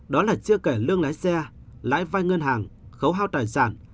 đó là chưa kể lương lái xe lái vai ngân hàng khấu hao tài sản